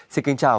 xin kính chào